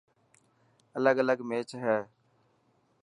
الگ الگ ميچ هي.